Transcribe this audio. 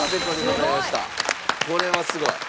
これはすごい。